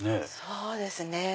そうですね。